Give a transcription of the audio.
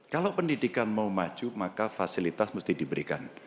kalau pendidikan mau maju maka fasilitas mesti diberikan